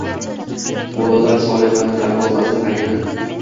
Bolalar Solixani darvozasi tagida.